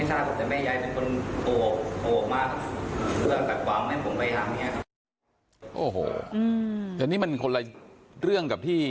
อเจมส์โอ้โหอันนี้มันคนละเรื่องกับที่